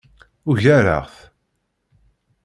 Ugareɣ-t.